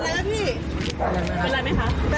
ครับมาที่บนเหรอครับ